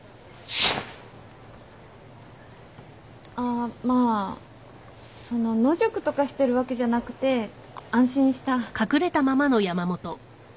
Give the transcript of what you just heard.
あまあその野宿とかしてるわけじゃなくて安心した。